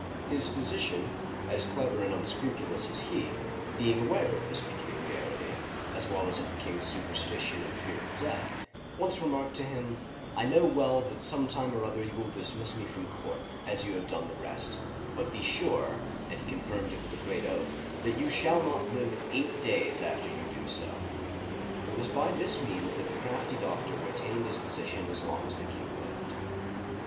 His physician, as clever and unscrupulous as he, being aware of this peculiarity, — as well as of the king's superstition and fear of death, — once remarked to him :" I know well that sometime or other you will dismiss me from court, as you have done the rest : but be sure (and he confirmed it with a great oath) that you shall not live eight days after you do so !'* It was by this means that the crafty doctor retained his position as long as the king lived.